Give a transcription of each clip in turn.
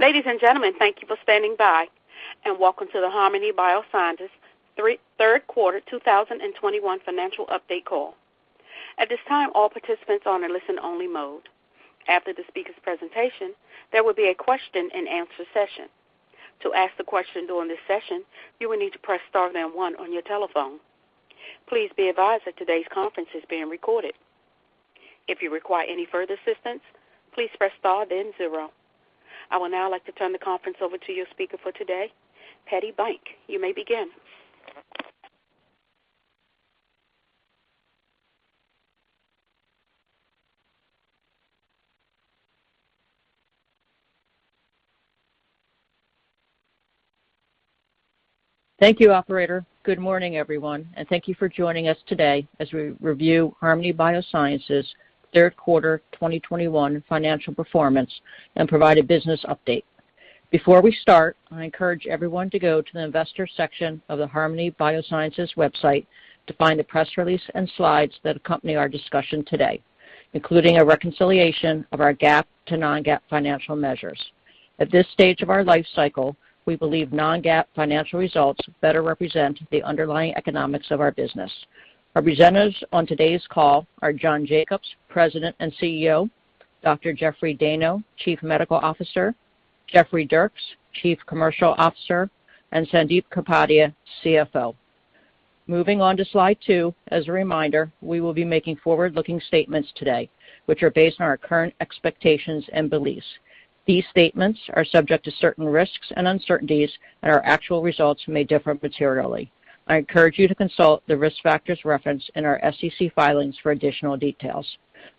Ladies and gentlemen, thank you for standing by, and welcome to the Harmony Biosciences third quarter 2021 financial update call. At this time, all participants are in listen-only mode. After the speaker's presentation, there will be a question and answer session. To ask the question during this session, you will need to press star then one on your telephone. Please be advised that today's conference is being recorded. If you require any further assistance, please press star then zero. I will now turn the conference over to your speaker for today, Patti Bank. You may begin. Thank you, operator. Good morning, everyone, and thank you for joining us today as we review Harmony Biosciences' third quarter 2021 financial performance and provide a business update. Before we start, I encourage everyone to go to the investor section of the Harmony Biosciences website to find the press release and slides that accompany our discussion today, including a reconciliation of our GAAP to non-GAAP financial measures. At this stage of our life cycle, we believe non-GAAP financial results better represent the underlying economics of our business. Our presenters on today's call are John Jacobs, President and CEO, Dr. Jeffrey Dayno, Chief Medical Officer, Jeffrey Dierks, Chief Commercial Officer, and Sandip Kapadia, CFO. Moving on to slide code. As a reminder, we will be making forward-looking statements today, which are based on our current expectations and beliefs. These statements are subject to certain risks and uncertainties, and our actual results may differ materially. I encourage you to consult the risk factors referenced in our SEC filings for additional details.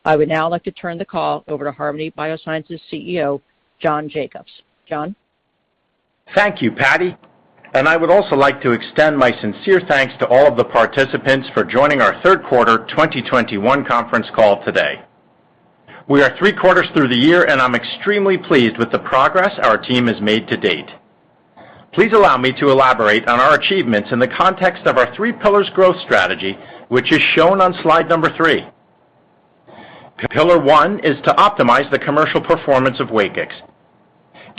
I would now like to turn the call over to Harmony Biosciences CEO, John Jacobs. John? Thank you, Patti. I would also like to extend my sincere thanks to all of the participants for joining our Q3 2021 conference call today. We are three quarters through the year, and I'm extremely pleased with the progress our team has made to date. Please allow me to elaborate on our achievements in the context of our three pillars growth strategy, which is shown on slide three. Pillar one is to optimize the commercial performance of WAKIX.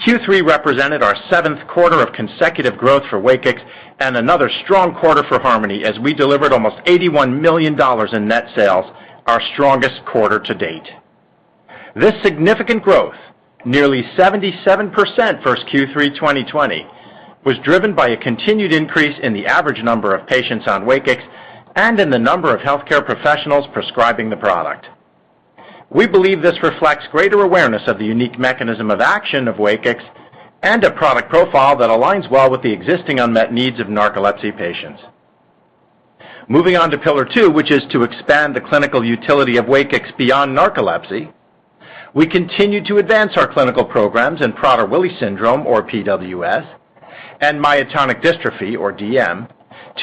Q3 represented our seventh quarter of consecutive growth for WAKIX and another strong quarter for Harmony as we delivered almost $81 million in net sales, our strongest quarter to date. This significant growth, nearly 77% over Q3 2020, was driven by a continued increase in the average number of patients on WAKIX and in the number of healthcare professionals prescribing the product. We believe this reflects greater awareness of the unique mechanism of action of WAKIX and a product profile that aligns well with the existing unmet needs of narcolepsy patients. Moving on to pillar two, which is to expand the clinical utility of WAKIX beyond narcolepsy. We continue to advance our clinical programs in Prader-Willi syndrome, or PWS, and myotonic dystrophy, or DM,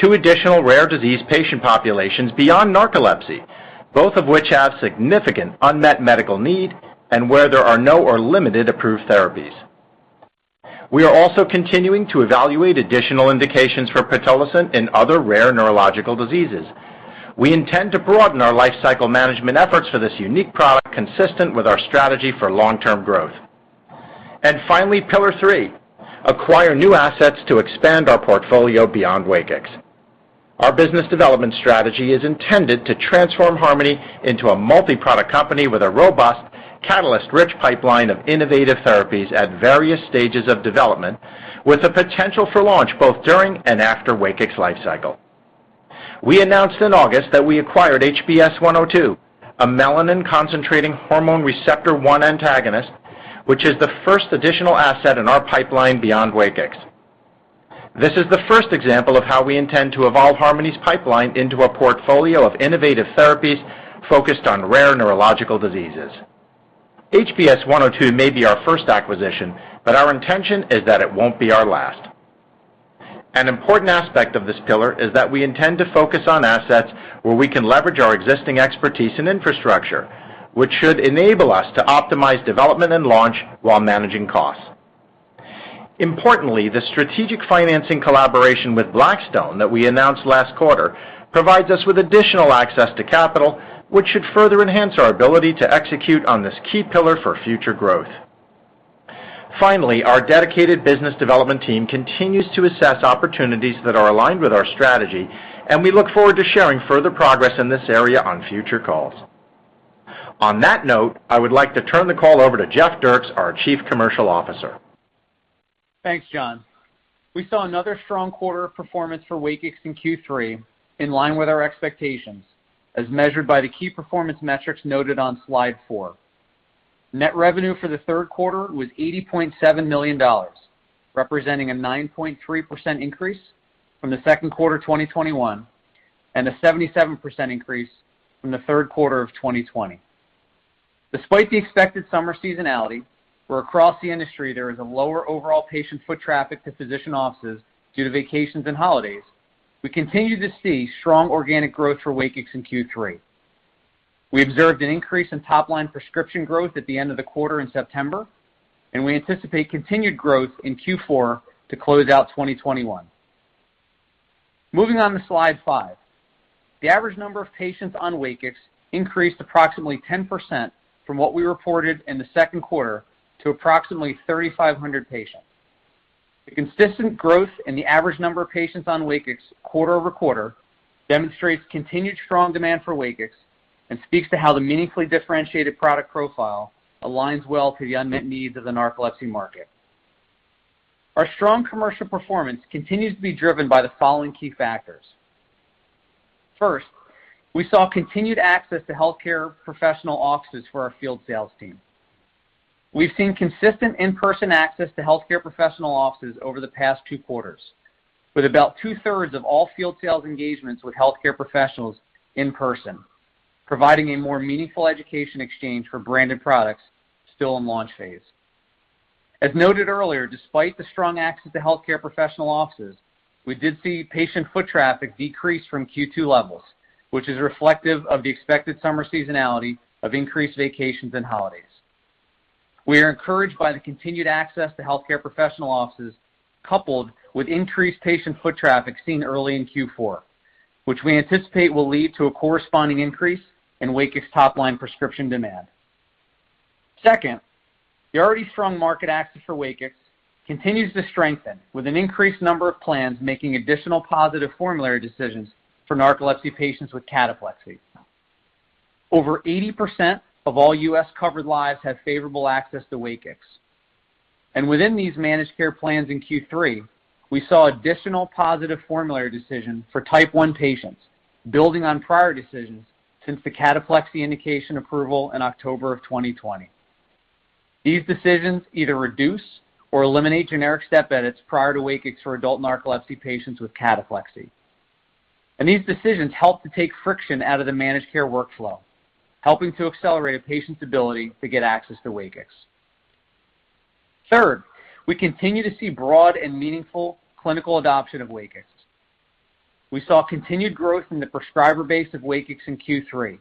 two additional rare disease patient populations beyond narcolepsy, both of which have significant unmet medical need and where there are no or limited approved therapies. We are also continuing to evaluate additional indications for pitolisant in other rare neurological diseases. We intend to broaden our lifecycle management efforts for this unique product consistent with our strategy for long-term growth. Finally, pillar three, acquire new assets to expand our portfolio beyond WAKIX. Our business development strategy is intended to transform Harmony into a multi-product company with a robust catalyst-rich pipeline of innovative therapies at various stages of development with the potential for launch both during and after WAKIX lifecycle. We announced in August that we acquired HBS-102, a melanin-concentrating hormone receptor 1 antagonist, which is the first additional asset in our pipeline beyond WAKIX. This is the first example of how we intend to evolve Harmony's pipeline into a portfolio of innovative therapies focused on rare neurological diseases. HBS-102 may be our first acquisition, but our intention is that it won't be our last. An important aspect of this pillar is that we intend to focus on assets where we can leverage our existing expertise and infrastructure, which should enable us to optimize development and launch while managing costs. Importantly, the strategic financing collaboration with Blackstone that we announced last quarter provides us with additional access to capital, which should further enhance our ability to execute on this key pillar for future growth. Finally, our dedicated business development team continues to assess opportunities that are aligned with our strategy, and we look forward to sharing further progress in this area on future calls. On that note, I would like to turn the call over to Jeff Dierks, our Chief Commercial Officer. Thanks, John. We saw another strong quarter of performance for WAKIX in Q3, in line with our expectations, as measured by the key performance metrics noted on slide 4. Net revenue for the third quarter was $80.7 million, representing a 9.3% increase from the second quarter 2021, and a 77% increase from the third quarter of 2020. Despite the expected summer seasonality, where across the industry there is a lower overall patient foot traffic to physician offices due to vacations and holidays, we continue to see strong organic growth for WAKIX in Q3. We observed an increase in top-line prescription growth at the end of the quarter in September, and we anticipate continued growth in Q4 to close out 2021. Moving on to slide 5. The average number of patients on WAKIX increased approximately 10% from what we reported in the second quarter to approximately 3,500 patients. The consistent growth in the average number of patients on WAKIX quarter-over-quarter demonstrates continued strong demand for WAKIX and speaks to how the meaningfully differentiated product profile aligns well to the unmet needs of the narcolepsy market. Our strong commercial performance continues to be driven by the following key factors. First, we saw continued access to healthcare professional offices for our field sales team. We've seen consistent in-person access to healthcare professional offices over the past two quarters, with about 2/3 of all field sales engagements with healthcare professionals in person, providing a more meaningful education exchange for branded products still in launch phase. As noted earlier, despite the strong access to healthcare professional offices, we did see patient foot traffic decrease from Q2 levels, which is reflective of the expected summer seasonality of increased vacations and holidays. We are encouraged by the continued access to healthcare professional offices, coupled with increased patient foot traffic seen early in Q4, which we anticipate will lead to a corresponding increase in WAKIX top line prescription demand. Second, the already strong market access for WAKIX continues to strengthen with an increased number of plans making additional positive formulary decisions for narcolepsy patients with cataplexy. Over 80% of all U.S. covered lives have favorable access to WAKIX. Within these managed care plans in Q3, we saw additional positive formulary decisions for type one patients building on prior decisions since the cataplexy indication approval in October 2020. These decisions either reduce or eliminate generic step edits prior to WAKIX for adult narcolepsy patients with cataplexy. These decisions help to take friction out of the managed care workflow, helping to accelerate a patient's ability to get access to WAKIX. Third, we continue to see broad and meaningful clinical adoption of WAKIX. We saw continued growth in the prescriber base of WAKIX in Q3.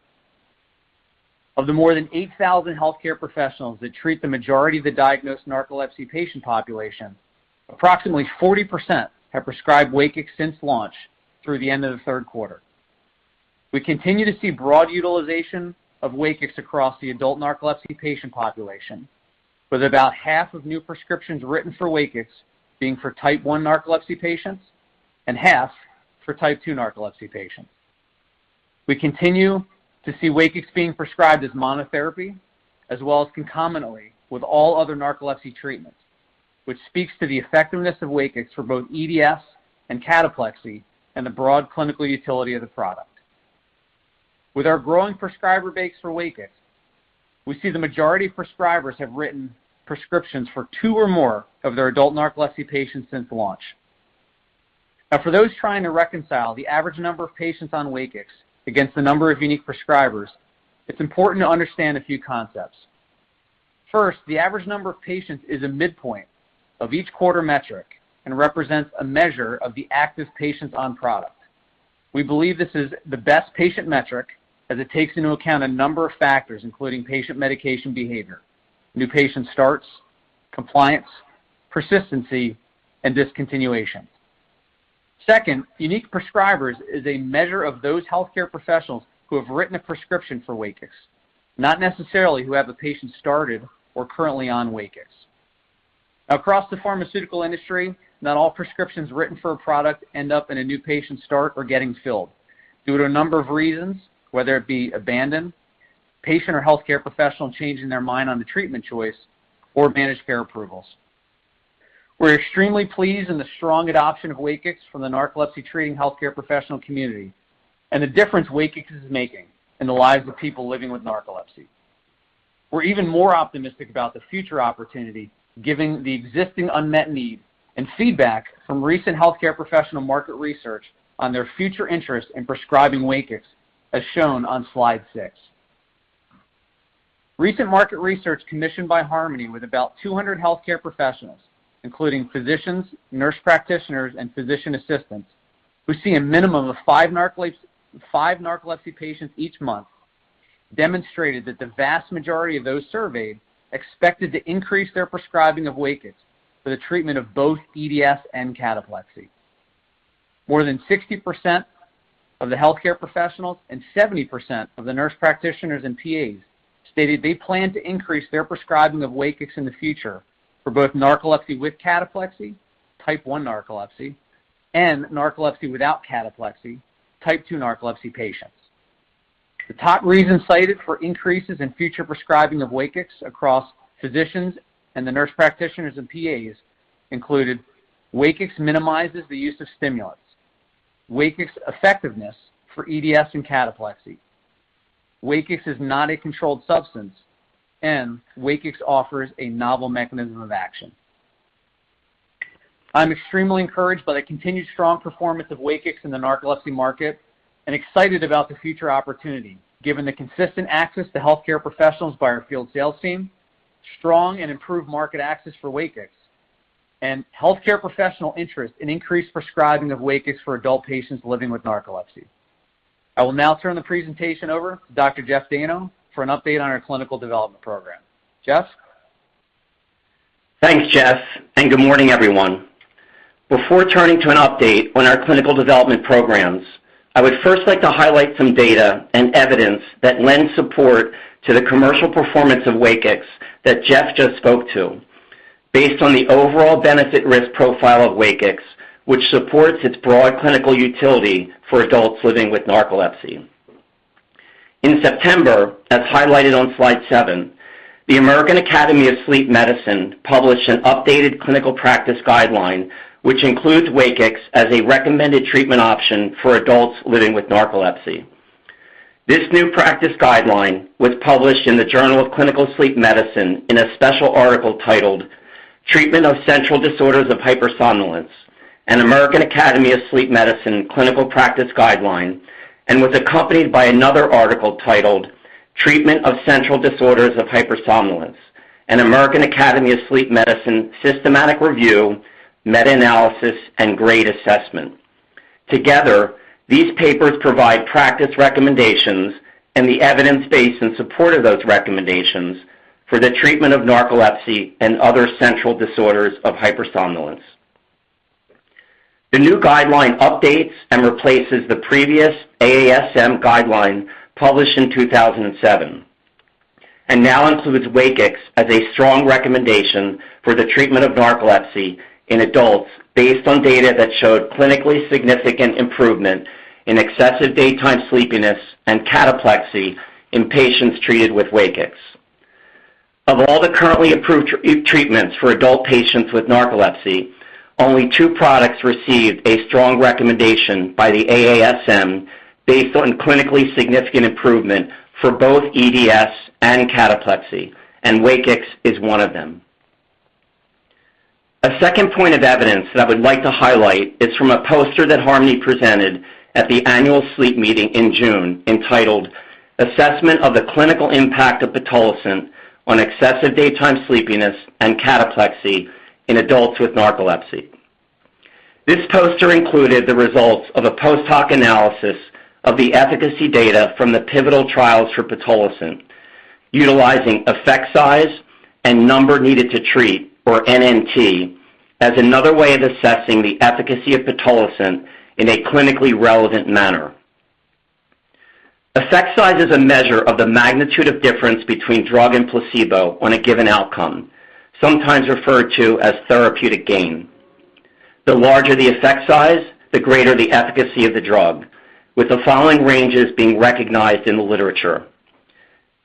Of the more than 8,000 healthcare professionals that treat the majority of the diagnosed narcolepsy patient population, approximately 40% have prescribed WAKIX since launch through the end of the third quarter. We continue to see broad utilization of WAKIX across the adult narcolepsy patient population, with about half of new prescriptions written for WAKIX being for type one narcolepsy patients and half for type two narcolepsy patients. We continue to see WAKIX being prescribed as monotherapy as well as concomitantly with all other narcolepsy treatments, which speaks to the effectiveness of WAKIX for both EDS and cataplexy and the broad clinical utility of the product. With our growing prescriber base for WAKIX, we see the majority of prescribers have written prescriptions for two or more of their adult narcolepsy patients since launch. Now for those trying to reconcile the average number of patients on WAKIX against the number of unique prescribers, it's important to understand a few concepts. First, the average number of patients is a midpoint of each quarter metric and represents a measure of the active patients on product. We believe this is the best patient metric as it takes into account a number of factors, including patient medication behavior, new patient starts, compliance, persistency, and discontinuation. Second, unique prescribers is a measure of those healthcare professionals who have written a prescription for WAKIX, not necessarily who have a patient started or currently on WAKIX. Across the pharmaceutical industry, not all prescriptions written for a product end up in a new patient start or getting filled due to a number of reasons, whether it be abandoned, patient or healthcare professional changing their mind on the treatment choice, or managed care approvals. We're extremely pleased in the strong adoption of WAKIX from the narcolepsy treating healthcare professional community and the difference WAKIX is making in the lives of people living with narcolepsy. We're even more optimistic about the future opportunity given the existing unmet need and feedback from recent healthcare professional market research on their future interest in prescribing WAKIX, as shown on slide six. Recent market research commissioned by Harmony with about 200 healthcare professionals, including physicians, nurse practitioners, and physician assistants, who see a minimum of 5 narcolepsy patients each month, demonstrated that the vast majority of those surveyed expected to increase their prescribing of WAKIX for the treatment of both EDS and cataplexy. More than 60% of the healthcare professionals and 70% of the nurse practitioners and PAs stated they plan to increase their prescribing of WAKIX in the future for both narcolepsy with cataplexy, type 1 narcolepsy, and narcolepsy without cataplexy, type two narcolepsy patients. The top reasons cited for increases in future prescribing of WAKIX across physicians and the nurse practitioners and PAs included WAKIX minimizes the use of stimulants, WAKIX effectiveness for EDS and cataplexy, WAKIX is not a controlled substance, and WAKIX offers a novel mechanism of action. I'm extremely encouraged by the continued strong performance of WAKIX in the narcolepsy market and excited about the future opportunity given the consistent access to healthcare professionals by our field sales team, strong and improved market access for WAKIX, and healthcare professional interest in increased prescribing of WAKIX for adult patients living with narcolepsy. I will now turn the presentation over to Dr. Jeff Dayno for an update on our clinical development program. Jeff? Thanks, Jeff, and good morning, everyone. Before turning to an update on our clinical development programs, I would first like to highlight some data and evidence that lends support to the commercial performance of WAKIX that Jeff just spoke to based on the overall benefit risk profile of WAKIX, which supports its broad clinical utility for adults living with narcolepsy. In September, as highlighted on slide seven, the American Academy of Sleep Medicine published an updated clinical practice guideline, which includes WAKIX as a recommended treatment option for adults living with narcolepsy. This new practice guideline was published in the Journal of Clinical Sleep Medicine in a special article titled Treatment of Central Disorders of Hypersomnolence: An American Academy of Sleep Medicine Clinical Practice Guideline, and was accompanied by another article titled Treatment of Central Disorders of Hypersomnolence, An American Academy of Sleep Medicine Systematic Review, Meta-analysis, and GRADE Assessment. Together, these papers provide practice recommendations and the evidence base in support of those recommendations for the treatment of narcolepsy and other central disorders of hypersomnolence. The new guideline updates and replaces the previous AASM guideline published in 2007 and now includes WAKIX as a strong recommendation for the treatment of narcolepsy in adults based on data that showed clinically significant improvement in excessive daytime sleepiness and cataplexy in patients treated with WAKIX. Of all the currently approved treatments for adult patients with narcolepsy, only two products received a strong recommendation by the AASM based on clinically significant improvement for both EDS and cataplexy, and WAKIX is one of them. A second point of evidence that I would like to highlight is from a poster that Harmony presented at the annual sleep meeting in June entitled Assessment of the Clinical Impact of pitolisant on Excessive Daytime Sleepiness and Cataplexy in Adults with Narcolepsy. This poster included the results of a post hoc analysis of the efficacy data from the pivotal trials for pitolisant, utilizing effect size and number needed to treat, or NNT, as another way of assessing the efficacy of pitolisant in a clinically relevant manner. Effect size is a measure of the magnitude of difference between drug and placebo on a given outcome, sometimes referred to as therapeutic gain. The larger the effect size, the greater the efficacy of the drug, with the following ranges being recognized in the literature.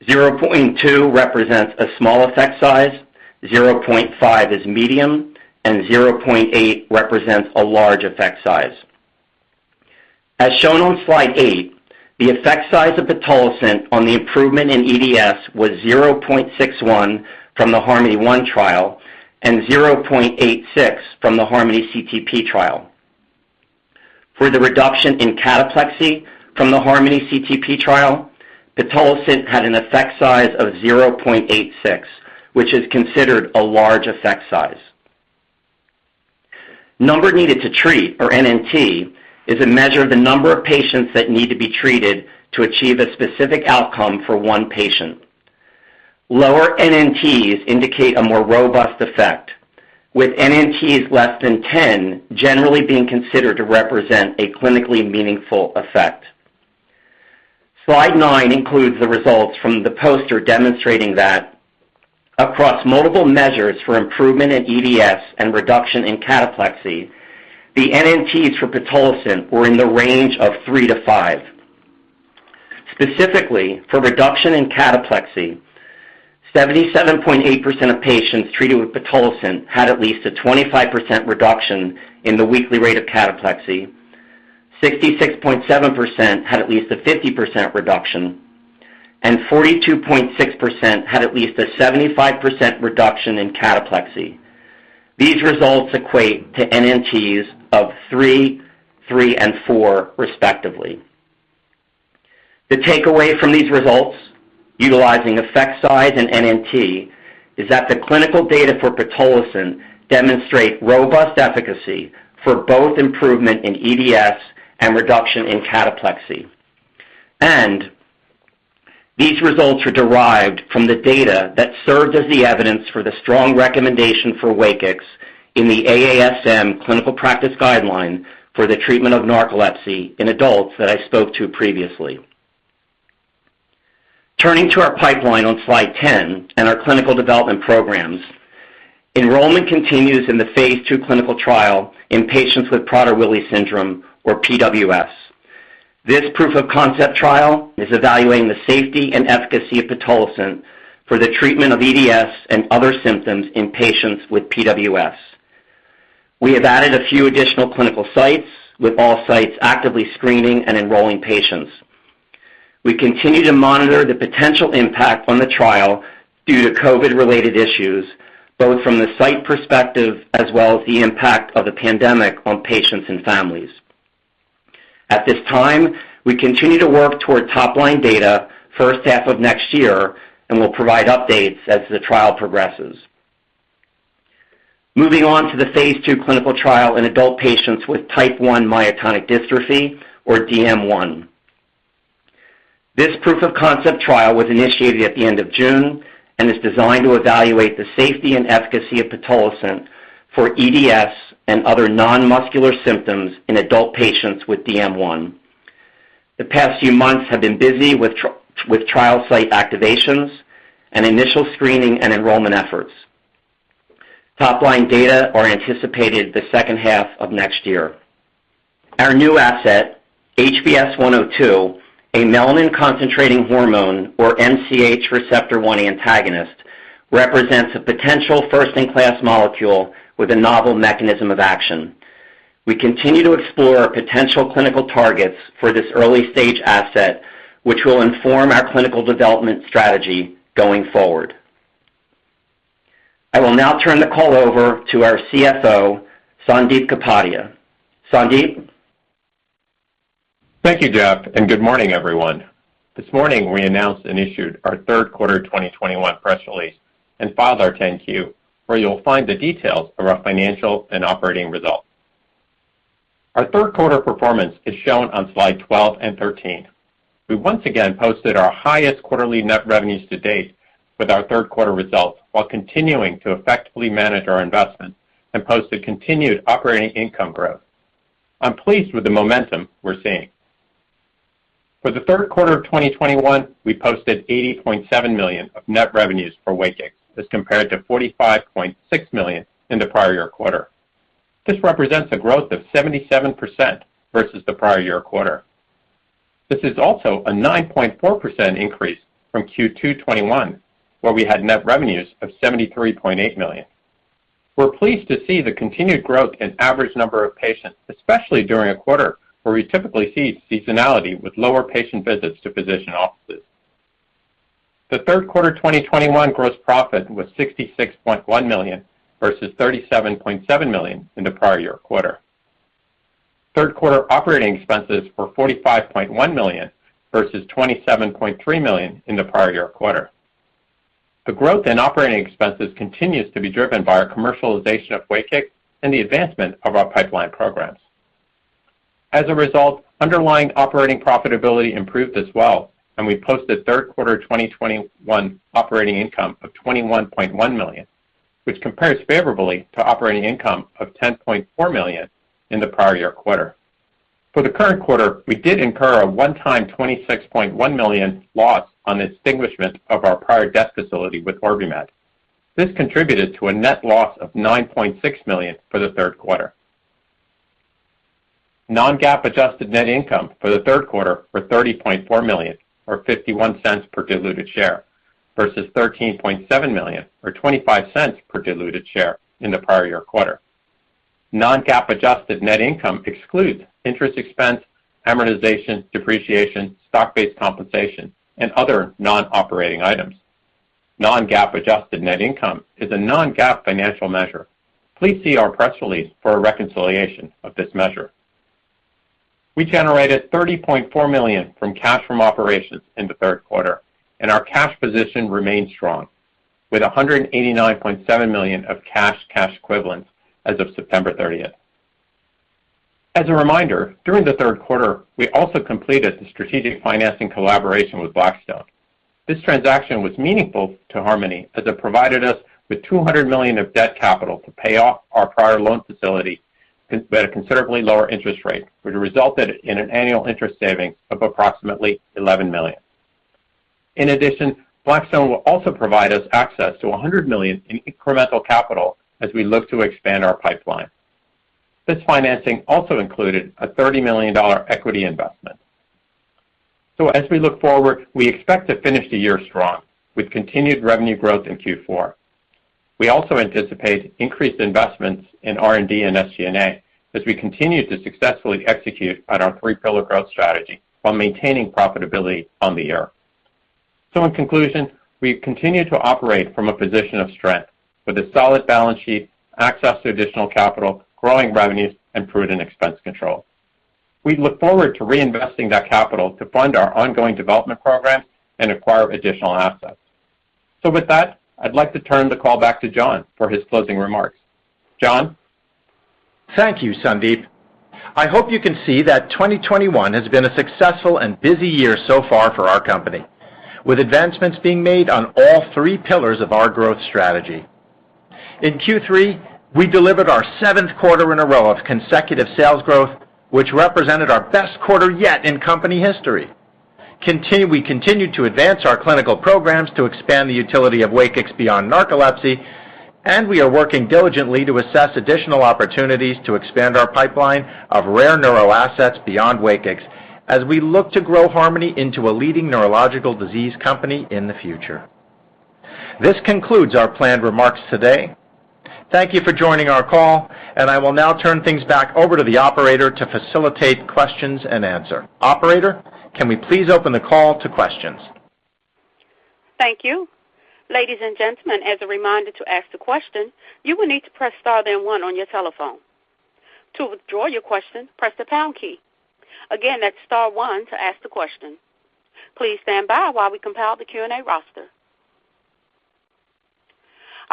0.2 represents a small effect size, 0.5 is medium, and 0.8 represents a large effect size. As shown on slide 8, the effect size of pitolisant on the improvement in EDS was 0.61 from the HARMONY 1 trial and 0.86 from the HARMONY CTP trial. For the reduction in cataplexy from the HARMONY CTP trial, pitolisant had an effect size of 0.86, which is considered a large effect size. Number needed to treat, or NNT, is a measure of the number of patients that need to be treated to achieve a specific outcome for one patient. Lower NNTs indicate a more robust effect, with NNTs less than 10 generally being considered to represent a clinically meaningful effect. Slide 9 includes the results from the poster demonstrating that across multiple measures for improvement in EDS and reduction in cataplexy, the NNTs for pitolisant were in the range of 3-5. Specifically, for reduction in cataplexy, 77.8% of patients treated with pitolisant had at least a 25% reduction in the weekly rate of cataplexy, 66.7% had at least a 50% reduction, and 42.6% had at least a 75% reduction in cataplexy. These results equate to NNTs of 3, and 4, respectively. The takeaway from these results, utilizing effect size and NNT, is that the clinical data for pitolisant demonstrate robust efficacy for both improvement in EDS and reduction in cataplexy. These results are derived from the data that served as the evidence for the strong recommendation for WAKIX in the AASM clinical practice guideline for the treatment of narcolepsy in adults that I spoke to previously. Turning to our pipeline on slide 10 and our clinical development programs, enrollment continues in the phase II clinical trial in patients with Prader-Willi syndrome, or PWS. This proof of concept trial is evaluating the safety and efficacy of pitolisant for the treatment of EDS and other symptoms in patients with PWS. We have added a few additional clinical sites, with all sites actively screening and enrolling patients. We continue to monitor the potential impact on the trial due to COVID-related issues, both from the site perspective as well as the impact of the pandemic on patients and families. At this time, we continue to work toward top-line data first half of next year and will provide updates as the trial progresses. Moving on to the phase II clinical trial in adult patients with type 1 myotonic dystrophy, or DM1. This proof of concept trial was initiated at the end of June and is designed to evaluate the safety and efficacy of pitolisant for EDS and other non-muscular symptoms in adult patients with DM1. The past few months have been busy with trial site activations and initial screening and enrollment efforts. Top-line data are anticipated the second half of next year. Our new asset, HBS-102, a melanin-concentrating hormone or MCH receptor 1 antagonist, represents a potential first in class molecule with a novel mechanism of action. We continue to explore potential clinical targets for this early stage asset, which will inform our clinical development strategy going forward. I will now turn the call over to our CFO, Sandip Kapadia. Sandip? Thank you, Jeff, and good morning, everyone. This morning we announced and issued our third quarter 2021 press release and filed our 10-Q, where you'll find the details of our financial and operating results. Our third quarter performance is shown on slide 12 and 13. We once again posted our highest quarterly net revenues to date with our third quarter results, while continuing to effectively manage our investment and posted continued operating income growth. I'm pleased with the momentum we're seeing. For the third quarter of 2021, we posted $80.7 million of net revenues for WAKIX as compared to $45.6 million in the prior year quarter. This represents a growth of 77% versus the prior year quarter. This is also a 9.4% increase from Q2 2021, where we had net revenues of $73.8 million. We're pleased to see the continued growth in average number of patients, especially during a quarter where we typically see seasonality with lower patient visits to physician offices. The third quarter 2021 gross profit was $66.1 million versus $37.7 million in the prior year quarter. Third quarter operating expenses were $45.1 million versus $27.3 million in the prior year quarter. The growth in operating expenses continues to be driven by our commercialization of WAKIX and the advancement of our pipeline programs. As a result, underlying operating profitability improved as well and we posted third quarter 2021 operating income of $21.1 million, which compares favorably to operating income of $10.4 million in the prior year quarter. For the current quarter, we did incur a one-time $26.1 million loss on the extinguishment of our prior debt facility with OrbiMed. This contributed to a net loss of $9.6 million for the third quarter. Non-GAAP adjusted net income for the third quarter were $30.4 million or $0.51 per diluted share versus $13.7 million or $0.25 per diluted share in the prior year quarter. Non-GAAP adjusted net income excludes interest expense, amortization, depreciation, stock-based compensation, and other non-operating items. Non-GAAP adjusted net income is a non-GAAP financial measure. Please see our press release for a reconciliation of this measure. We generated $30.4 million from cash from operations in the third quarter and our cash position remains strong with $189.7 million of cash equivalents as of 30th September. As a reminder, during the third quarter, we also completed the strategic financing collaboration with Blackstone. This transaction was meaningful to Harmony as it provided us with $200 million of debt capital to pay off our prior loan facility at a considerably lower interest rate, which resulted in an annual interest savings of approximately $11 million. In addition, Blackstone will also provide us access to $100 million in incremental capital as we look to expand our pipeline. This financing also included a $30 million equity investment. As we look forward, we expect to finish the year strong with continued revenue growth in Q4. We also anticipate increased investments in R&D and SG&A as we continue to successfully execute on our three pillar growth strategy while maintaining profitability on the year. In conclusion, we continue to operate from a position of strength with a solid balance sheet, access to additional capital, growing revenues, and prudent expense control. We look forward to reinvesting that capital to fund our ongoing development program and acquire additional assets. With that, I'd like to turn the call back to John for his closing remarks. John? Thank you, Sandip. I hope you can see that 2021 has been a successful and busy year so far for our company, with advancements being made on all three pillars of our growth strategy. In Q3, we delivered our seventh quarter in a row of consecutive sales growth, which represented our best quarter yet in company history. We continue to advance our clinical programs to expand the utility of WAKIX beyond narcolepsy and we are working diligently to assess additional opportunities to expand our pipeline of rare neurological assets beyond WAKIX as we look to grow Harmony into a leading neurological disease company in the future. This concludes our planned remarks today. Thank you for joining our call and I will now turn things back over to the operator to facilitate questions and answers. Operator, can we please open the call to questions? Thank you. Ladies and gentlemen, as a reminder to ask the question, you will need to press star then one on your telephone. To withdraw your question, press the pound key. Again, that's star one to ask the question. Please stand by while we compile the Q&A roster.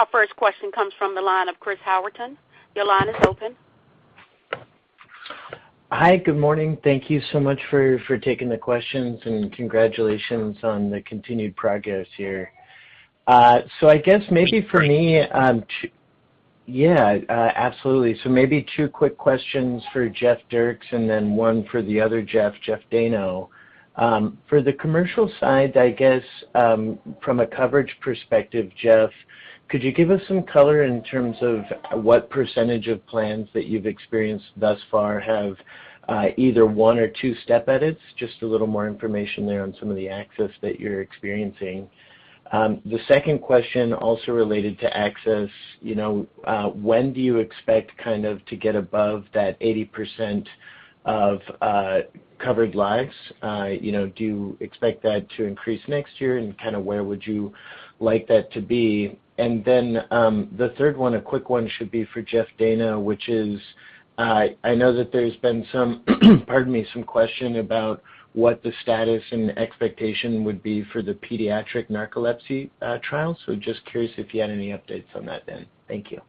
Our first question comes from the line of Chris Howerton. Your line is open. Hi, good morning. Thank you so much for taking the questions and congratulations on the continued progress here. Maybe two quick questions for Jeff Dierks and then one for the other Jeff Dayno. For the commercial side, I guess, from a coverage perspective, Jeff, could you give us some color in terms of what percentage of plans that you've experienced thus far have either 1 or 2 step edits? Just a little more information there on some of the access that you're experiencing. The second question also related to access, you know, when do you expect kind of to get above that 80% of covered lives? You know, do you expect that to increase next year? Kinda where would you like that to be? The third one, a quick one should be for Jeff Dayno, which is, I know that there's been some question about what the status and expectation would be for the pediatric narcolepsy trial. So just curious if you had any updates on that then. Thank you.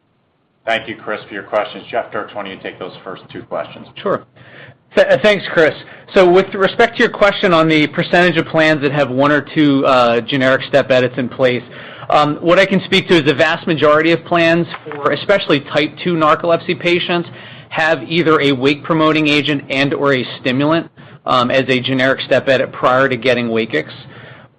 Thank you, Chris, for your questions. Jeff Dierks, why don't you take those first two questions? Sure. Thanks, Chris. With respect to your question on the percentage of plans that have one or two generic step edits in place, what I can speak to is the vast majority of plans for especially type two narcolepsy patients have either a wake promoting agent and or a stimulant as a generic step edit prior to getting WAKIX.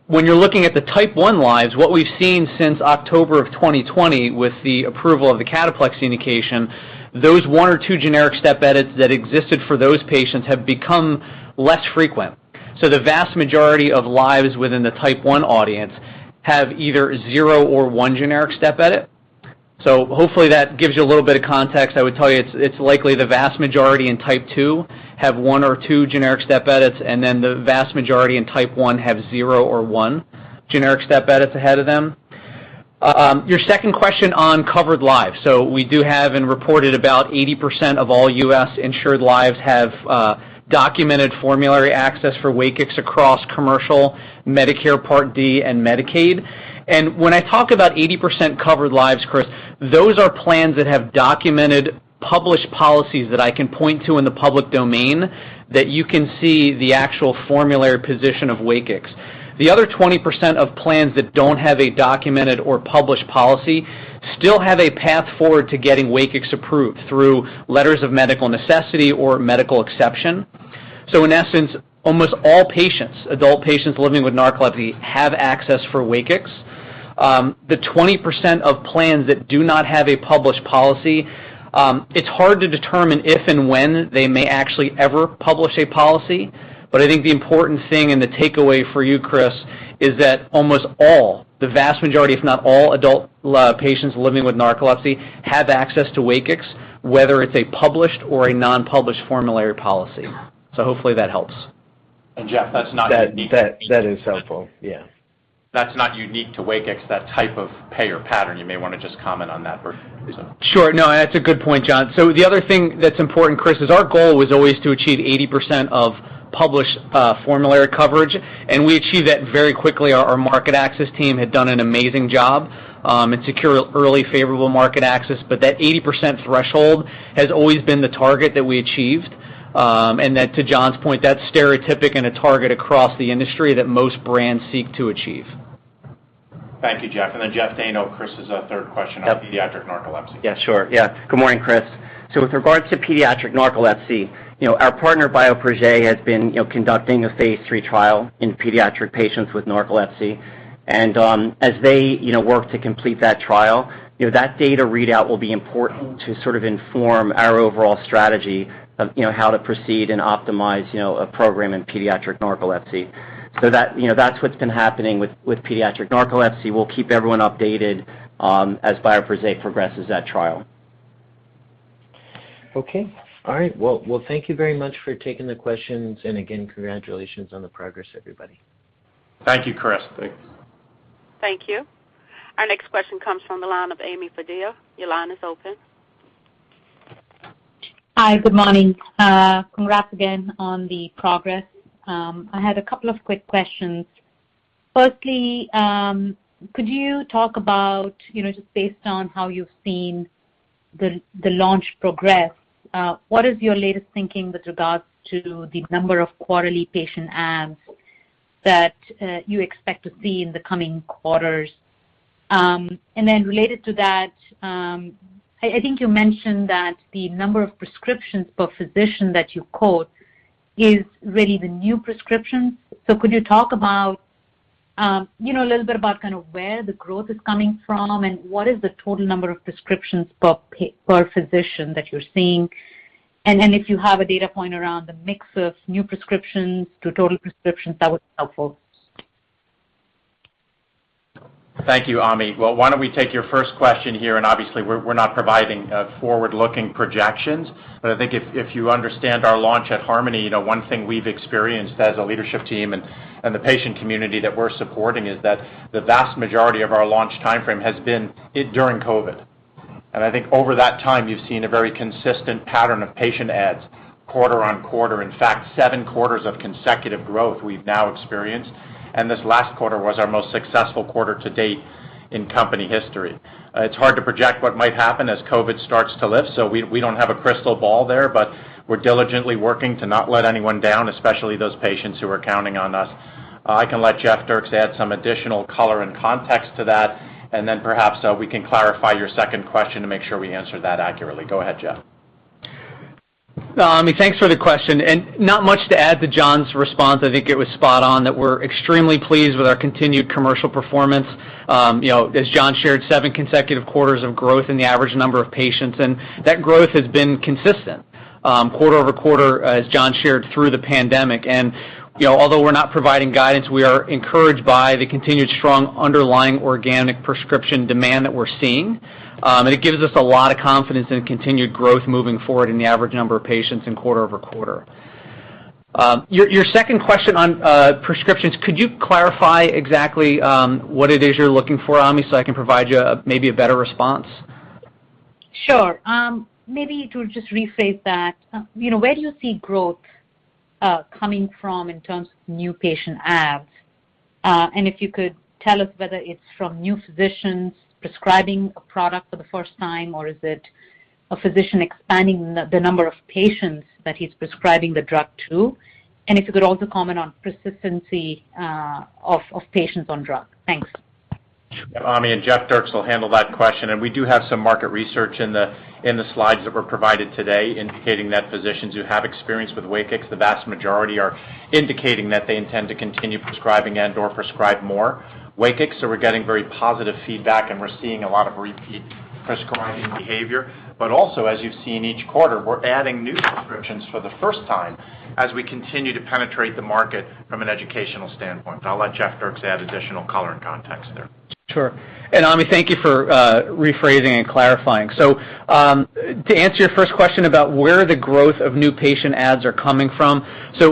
When you're looking at the type one lives, what we've seen since October of 2020 with the approval of the cataplexy indication, those one or two generic step edits that existed for those patients have become less frequent. The vast majority of lives within the type one audience have either zero or one generic step edit. Hopefully that gives you a little bit of context. I would tell you it's likely the vast majority in type two have one or two generic step edits, and then the vast majority in type one have zero or one generic step edits ahead of them. Your second question on covered lives. We do have and reported about 80% of all U.S. insured lives have documented formulary access for WAKIX across commercial Medicare Part D and Medicaid. When I talk about 80% covered lives, Chris, those are plans that have documented published policies that I can point to in the public domain that you can see the actual formulary position of WAKIX. The other 20% of plans that don't have a documented or published policy still have a path forward to getting WAKIX approved through letters of medical necessity or medical exception. In essence, almost all patients, adult patients living with narcolepsy, have access for WAKIX. The 20% of plans that do not have a published policy, it's hard to determine if and when they may actually ever publish a policy. I think the important thing and the takeaway for you, Chris, is that almost all, the vast majority, if not all adult patients living with narcolepsy have access to WAKIX, whether it's a published or a non-published formulary policy. Hopefully that helps. Jeff, that's not unique. That is helpful. Yeah. That's not unique to WAKIX, that type of payer pattern. You may wanna just comment on that for a reason. Sure. No, that's a good point, John. The other thing that's important, Chris, is our goal was always to achieve 80% of published formulary coverage, and we achieved that very quickly. Our market access team had done an amazing job in securing early favorable market access. That 80% threshold has always been the target that we achieved. Then to John's point, that's stereotypical and a target across the industry that most brands seek to achieve. Thank you, Jeff. Jeff Dayno, Chris has a third question on pediatric narcolepsy. Yeah, sure. Yeah. Good morning, Chris. With regards to pediatric narcolepsy, you know, our partner, Bioprojet, has been, you know, conducting a phase III trial in pediatric patients with narcolepsy, as they, you know, work to complete that trial, you know, that data readout will be important to sort of inform our overall strategy of, you know, how to proceed and optimize, you know, a program in pediatric narcolepsy. That, you know, that's what's been happening with pediatric narcolepsy. We'll keep everyone updated, as Bioprojet progresses that trial. Okay. All right. Well, thank you very much for taking the questions. Again, congratulations on the progress, everybody. Thank you, Chris. Thanks. Thank you. Our next question comes from the line of Ami Fadia. Your line is open. Hi. Good morning. Congrats again on the progress. I had a couple of quick questions. Firstly, could you talk about, you know, just based on how you've seen the launch progress, what is your latest thinking with regards to the number of quarterly patient adds that you expect to see in the coming quarters? Then related to that, I think you mentioned that the number of prescriptions per physician that you quote is really the new prescriptions. Could you talk about, you know, a little bit about kind of where the growth is coming from and what is the total number of prescriptions per physician that you're seeing? If you have a data point around the mix of new prescriptions to total prescriptions, that would be helpful. Thank you, Ami. Well, why don't we take your first question here, and obviously, we're not providing forward-looking projections. I think if you understand our launch at Harmony, you know, one thing we've experienced as a leadership team and the patient community that we're supporting is that the vast majority of our launch timeframe has been during COVID. I think over that time, you've seen a very consistent pattern of patient adds quarter on quarter. In fact, seven quarters of consecutive growth we've now experienced, and this last quarter was our most successful quarter to date in company history. It's hard to project what might happen as COVID starts to lift, so we don't have a crystal ball there, but we're diligently working to not let anyone down, especially those patients who are counting on us. I can let Jeff Dierks add some additional color and context to that, and then perhaps, we can clarify your second question to make sure we answer that accurately. Go ahead, Jeff. No, Ami, thanks for the question, and not much to add to John's response. I think it was spot on that we're extremely pleased with our continued commercial performance. You know, as John shared, seven consecutive quarters of growth in the average number of patients, and that growth has been consistent, quarter-over-quarter, as John shared through the pandemic. You know, although we're not providing guidance, we are encouraged by the continued strong underlying organic prescription demand that we're seeing. It gives us a lot of confidence in continued growth moving forward in the average number of patients quarter-over-quarter. Your second question on prescriptions, could you clarify exactly what it is you're looking for, Ami, so I can provide you maybe a better response? Sure. Maybe to just rephrase that, you know, where do you see growth coming from in terms of new patient adds? And if you could tell us whether it's from new physicians prescribing a product for the first time, or is it a physician expanding the number of patients that he's prescribing the drug to? And if you could also comment on persistency of patients on drug. Thanks. Sure, Ami, and Jeff Dierks will handle that question. We do have some market research in the slides that were provided today indicating that physicians who have experience with WAKIX, the vast majority are indicating that they intend to continue prescribing and or prescribe more WAKIX. We're getting very positive feedback, and we're seeing a lot of repeat prescribing behavior. Also, as you've seen each quarter, we're adding new prescriptions for the first time as we continue to penetrate the market from an educational standpoint. I'll let Jeff Dierks add additional color and context there. Sure. Ami, thank you for rephrasing and clarifying. To answer your first question about where the growth of new patient adds are coming from,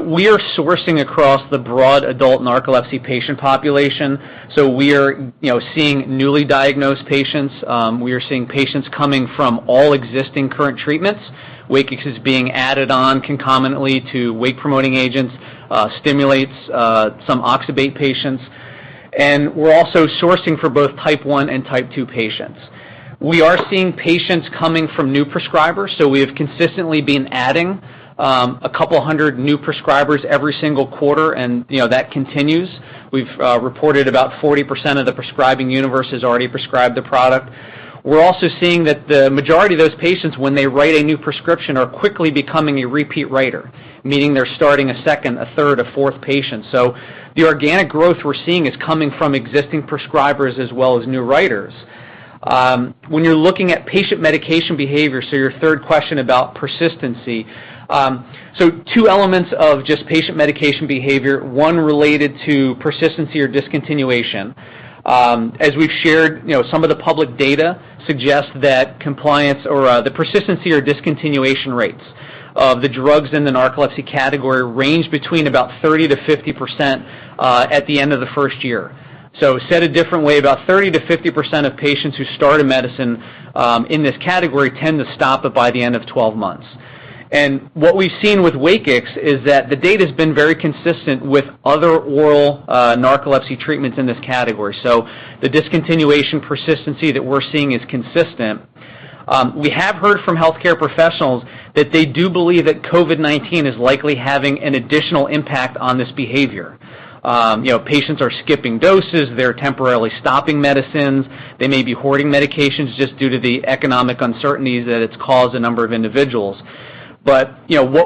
we are sourcing across the broad adult narcolepsy patient population. We're, you know, seeing newly diagnosed patients. We are seeing patients coming from all existing current treatments. WAKIX is being added on concomitantly to wake-promoting agents, stimulants, some oxybate patients. We're also sourcing for both Type one and Type two patients. We are seeing patients coming from new prescribers, so we have consistently been adding 200 new prescribers every single quarter and, you know, that continues. We've reported about 40% of the prescribing universe has already prescribed the product. We're also seeing that the majority of those patients when they write a new prescription are quickly becoming a repeat writer, meaning they're starting a second, a third, a fourth patient. The organic growth we're seeing is coming from existing prescribers as well as new writers. When you're looking at patient medication behavior, your third question about persistency. Two elements of just patient medication behavior, one related to persistency or discontinuation. As we've shared, you know, some of the public data suggests that compliance or the persistency or discontinuation rates of the drugs in the narcolepsy category range between about 30%-50% at the end of the first year. Said a different way, about 30%-50% of patients who start a medicine in this category tend to stop it by the end of 12 months. What we've seen with WAKIX is that the data's been very consistent with other oral narcolepsy treatments in this category. The discontinuation persistency that we're seeing is consistent. We have heard from healthcare professionals that they do believe that COVID-19 is likely having an additional impact on this behavior. You know, patients are skipping doses, they're temporarily stopping medicines. They may be hoarding medications just due to the economic uncertainties that it's caused a number of individuals. What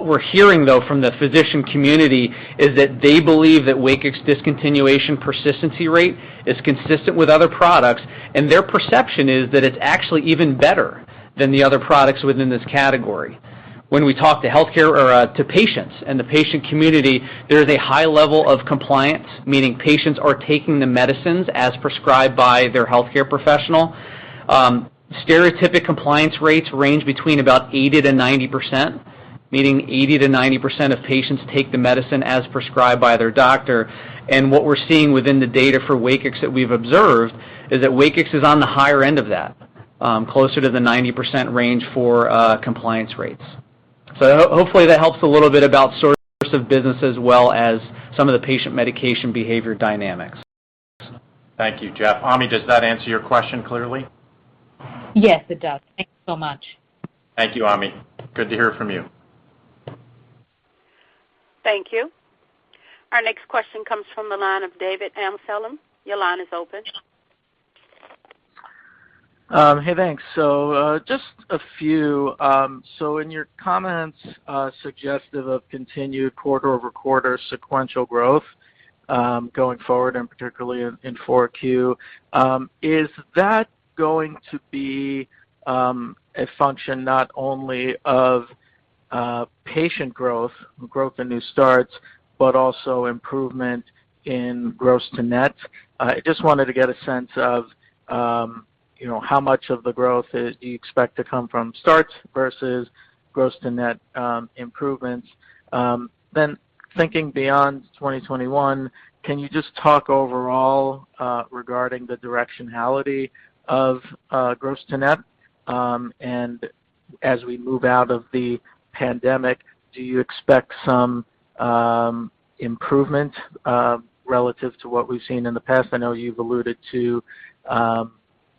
we're hearing, though, from the physician community is that they believe that WAKIX discontinuation persistency rate is consistent with other products, and their perception is that it's actually even better than the other products within this category. When we talk to healthcare or to patients and the patient community, there's a high level of compliance, meaning patients are taking the medicines as prescribed by their healthcare professional. Stereotypical compliance rates range between about 80%-90%, meaning 80%-90% of patients take the medicine as prescribed by their doctor. What we're seeing within the data for WAKIX that we've observed is that WAKIX is on the higher end of that, closer to the 90% range for compliance rates. Hopefully, that helps a little bit about source of business as well as some of the patient medication behavior dynamics. Thank you, Jeff. Ami, does that answer your question clearly? Yes, it does. Thank you so much. Thank you, Ami. Good to hear from you. Thank you. Our next question comes from the line of David Amsellem. Your line is open. Hey, thanks. Just a few. In your comments, suggestive of continued quarter-over-quarter sequential growth, going forward, and particularly in Q4, is that going to be a function not only of patient growth in new starts, but also improvement in gross to net? I just wanted to get a sense of, you know, how much of the growth is, do you expect to come from starts versus gross to net improvements. Then thinking beyond 2021, can you just talk overall, regarding the directionality of gross to net, and as we move out of the pandemic, do you expect some improvement, relative to what we've seen in the past? I know you've alluded to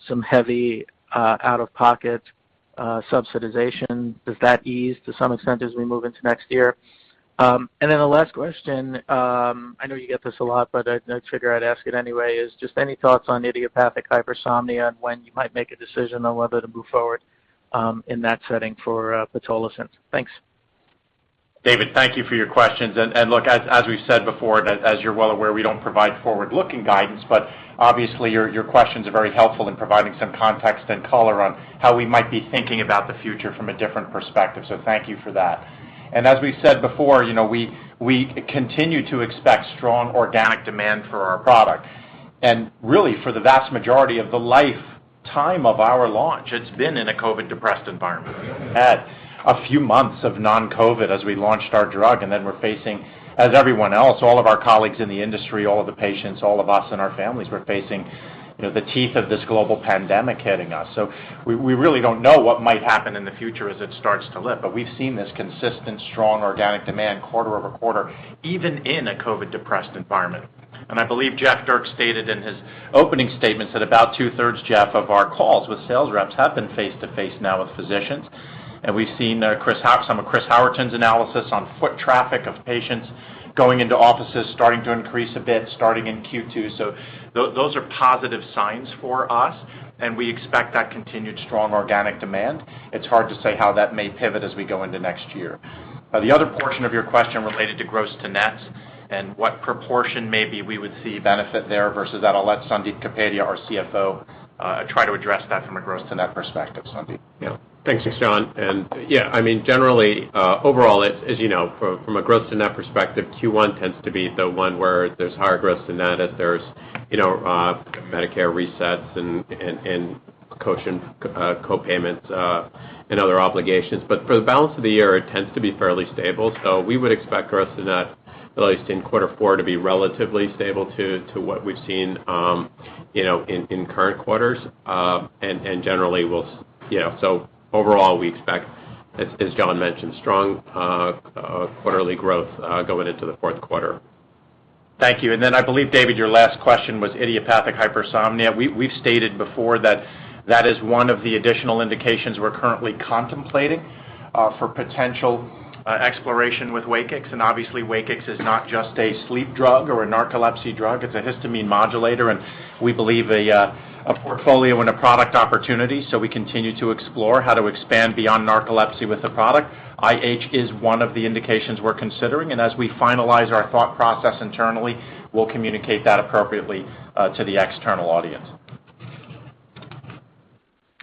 some heavy out-of-pocket subsidization. Does that ease to some extent as we move into next year? Then the last question, I know you get this a lot, but I'd ask it anyway, is just any thoughts on idiopathic hypersomnia and when you might make a decision on whether to move forward in that setting for pitolisant. Thanks. David, thank you for your questions. Look, as we've said before, and as you're well aware, we don't provide forward-looking guidance. Obviously, your questions are very helpful in providing some context and color on how we might be thinking about the future from a different perspective. Thank you for that. As we said before, you know, we continue to expect strong organic demand for our product. Really, for the vast majority of the lifetime of our launch, it's been in a COVID-depressed environment. We've had a few months of non-COVID as we launched our drug, and then we're facing, as everyone else, all of our colleagues in the industry, all of the patients, all of us and our families, you know, the teeth of this global pandemic hitting us. We really don't know what might happen in the future as it starts to lift. We've seen this consistent, strong organic demand quarter over quarter, even in a COVID-depressed environment. I believe Jeff Dierks stated in his opening statements that about 2/3, Jeff, of our calls with sales reps have been face-to-face now with physicians. We've seen Chris Howerton, some of Chris Howerton's analysis on foot traffic of patients going into offices starting to increase a bit starting in Q2. Those are positive signs for us, and we expect that continued strong organic demand. It's hard to say how that may pivot as we go into next year. The other portion of your question related to gross to nets and what proportion maybe we would see benefit there versus that. I'll let Sandip Kapadia, our CFO, try to address that from a gross to net perspective. Sandip. Yeah. Thanks, John. Yeah, I mean, generally, overall, as you know, from a gross to net perspective, Q1 tends to be the one where there's higher gross to net, you know, Medicare resets and copayments and other obligations. For the balance of the year, it tends to be fairly stable. We would expect gross to net, at least in quarter four, to be relatively stable to what we've seen, you know, in current quarters, and generally will. Overall, we expect, as John mentioned, strong quarterly growth going into the fourth quarter. Thank you. I believe, David, your last question was idiopathic hypersomnia. We've stated before that is one of the additional indications we're currently contemplating for potential exploration with WAKIX. Obviously, WAKIX is not just a sleep drug or a narcolepsy drug, it's a histamine modulator, and we believe a portfolio and a product opportunity. We continue to explore how to expand beyond narcolepsy with the product. IH is one of the indications we're considering. As we finalize our thought process internally, we'll communicate that appropriately to the external audience.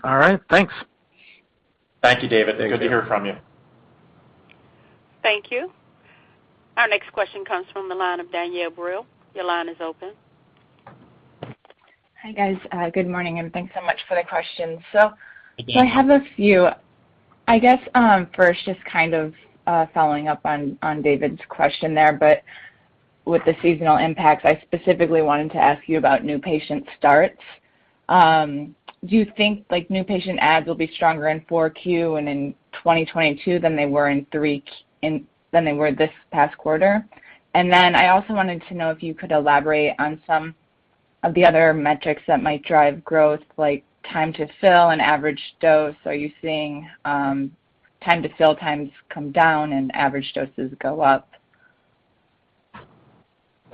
All right. Thanks. Thank you, David. Good to hear from you. Thank you. Our next question comes from the line of Danielle Brill. Your line is open. Hi, guys. Good morning, and thanks so much for the questions. I have a few. I guess, first, just kind of following up on David's question there, but with the seasonal impacts, I specifically wanted to ask you about new patient starts. Do you think like new patient adds will be stronger in 4Q and in 2022 than they were this past quarter? Then I also wanted to know if you could elaborate on some of the other metrics that might drive growth, like time to fill an average dose. Are you seeing time to fill times come down and average doses go up?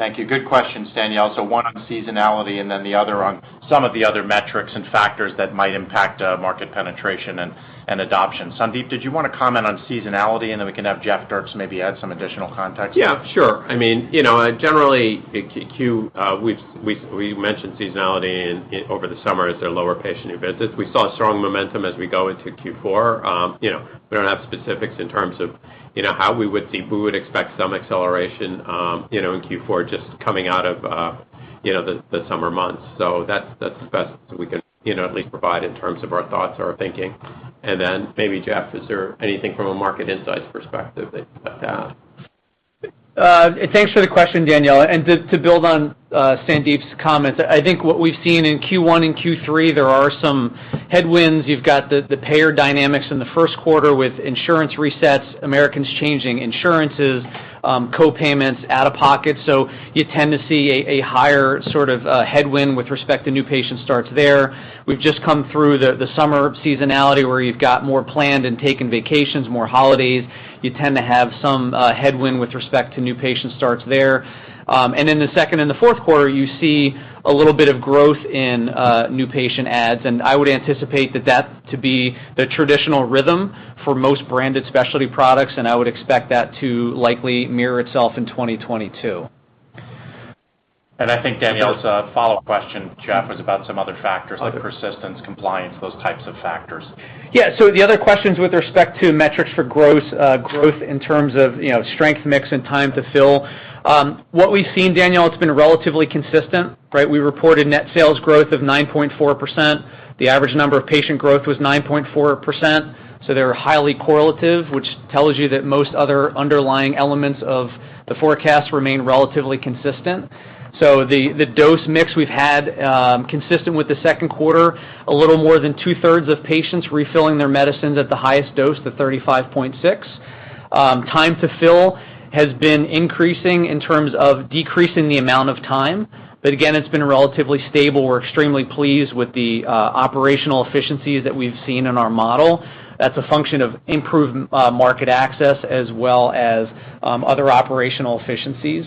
Thank you. Good question, Danielle. So one on seasonality and then the other on some of the other metrics and factors that might impact market penetration and adoption. Sandip, did you wanna comment on seasonality, and then we can have Jeff Dierks maybe add some additional context? Yeah, sure. I mean, you know, generally Q, we've mentioned seasonality over the summer as there are lower patient visits. We saw strong momentum as we go into Q4. You know, we don't have specifics in terms of, you know, how we would see. We would expect some acceleration, you know, in Q4 just coming out of, you know, the summer months. So that's the best we could, you know, at least provide in terms of our thoughts or our thinking. Maybe Jeff, is there anything from a market insights perspective that you'd like to add? Thanks for the question, Danielle. To build on Sandip's comment, I think what we've seen in Q1 and Q3, there are some headwinds. You've got the payer dynamics in the first quarter with insurance resets, Americans changing insurances, co-payments, out-of-pocket. You tend to see a higher sort of headwind with respect to new patient starts there. We've just come through the summer seasonality where you've got more planned and taken vacations, more holidays. You tend to have some headwind with respect to new patient starts there. In the second and the fourth quarter, you see a little bit of growth in new patient adds, and I would anticipate that to be the traditional rhythm for most branded specialty products, and I would expect that to likely mirror itself in 2022. I think Danielle's follow-up question, Jeff, was about some other factors like persistence, compliance, those types of factors. Yeah. The other questions with respect to metrics for gross growth in terms of, you know, strength, mix, and time to fill. What we've seen, Danielle, it's been relatively consistent, right? We reported net sales growth of 9.4%. The average number of patient growth was 9.4%, so they were highly correlative, which tells you that most other underlying elements of the forecast remain relatively consistent. The dose mix we've had, consistent with the second quarter, a little more than 2/3 of patients refilling their medicines at the highest dose, the 35.6. Time to fill has been increasing in terms of decreasing the amount of time, but again, it's been relatively stable. We're extremely pleased with the operational efficiencies that we've seen in our model. That's a function of improved market access as well as other operational efficiencies.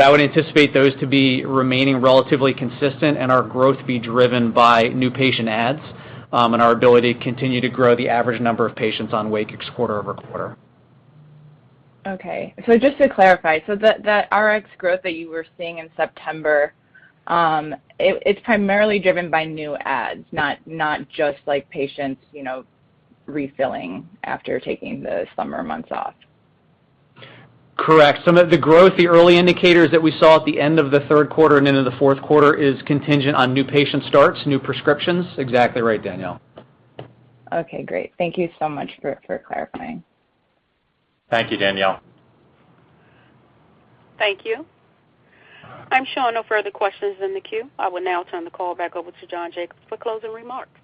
I would anticipate those to be remaining relatively consistent and our growth to be driven by new patient adds and our ability to continue to grow the average number of patients on WAKIX quarter over quarter. Okay. Just to clarify, so the RX growth that you were seeing in September, it's primarily driven by new adds, not just like patients, you know, refilling after taking the summer months off. Correct. Some of the growth, the early indicators that we saw at the end of the third quarter and into the fourth quarter is contingent on new patient starts, new prescriptions. Exactly right, Danielle. Okay, great. Thank you so much for clarifying. Thank you, Danielle. Thank you. I'm showing no further questions in the queue.I will now turn the call back over to John Jacobs for closing remarks.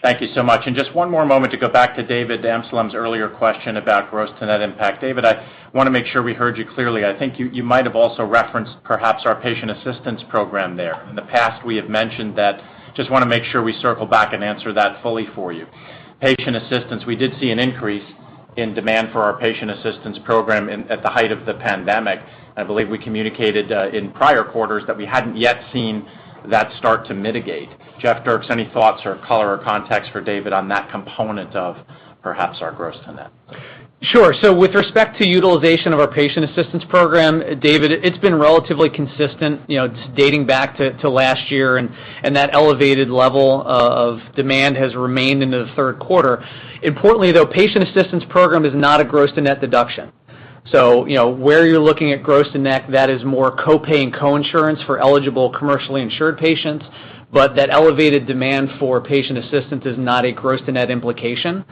Thank you so much. Just one more moment to go back to David Amsellem's earlier question about gross to net impact. David, I wanna make sure we heard you clearly. I think you might have also referenced perhaps our patient assistance program there. In the past, we have mentioned that. Just wanna make sure we circle back and answer that fully for you. Patient assistance, we did see an increase in demand for our patient assistance program in at the height of the pandemic.I believe we communicated in prior quarters that we hadn't yet seen that start to mitigate. Jeff Dierks, any thoughts or color or context for David on that component of perhaps our gross to net? Sure. With respect to utilization of our patient assistance program, David, it's been relatively consistent, you know, dating back to last year, and that elevated level of demand has remained into the third quarter. Importantly, though, patient assistance program is not a gross to net deduction. You know, where you're looking at gross to net, that is more co-pay and co-insurance for eligible commercially insured patients, but that elevated demand for patient assistance is not a gross to net implication.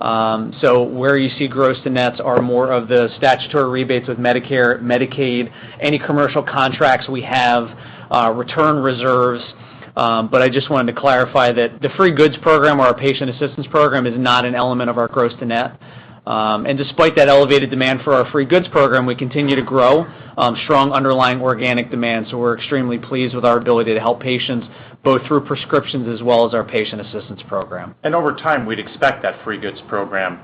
Where you see gross to nets are more of the statutory rebates with Medicare, Medicaid, any commercial contracts we have, return reserves. I just wanted to clarify that the free goods program or our patient assistance program is not an element of our gross to net. Despite that elevated demand for our free goods program, we continue to grow strong underlying organic demand. We're extremely pleased with our ability to help patients both through prescriptions as well as our patient assistance program. Over time, we'd expect that free goods program,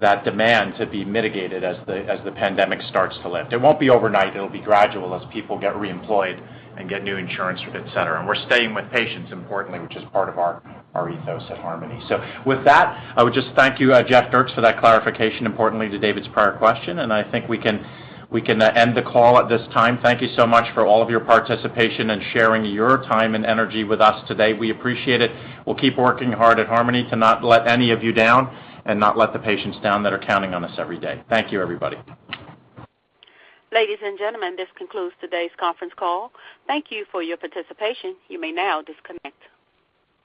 that demand to be mitigated as the pandemic starts to lift. It won't be overnight, it'll be gradual as people get reemployed and get new insurance, et cetera. We're staying with patients importantly, which is part of our ethos at Harmony. With that, I would just thank you, Jeff Dierks for that clarification, importantly to David's prior question, and I think we can end the call at this time. Thank you so much for all of your participation and sharing your time and energy with us today. We appreciate it. We'll keep working hard at Harmony to not let any of you down and not let the patients down that are counting on us every day. Thank you, everybody. Ladies and gentlemen, this concludes today's conference call. Thank you for your participation. You may now disconnect.